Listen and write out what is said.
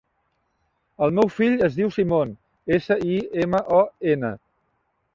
El meu fill es diu Simon: essa, i, ema, o, ena.